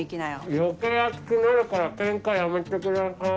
余計暑くなるからケンカやめてください。